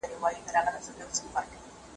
ساینس پوهانو د پخوانیو ژویو هډوکي وموندل.